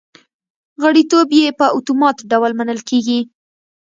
غړیتوب یې په اتومات ډول منل کېږي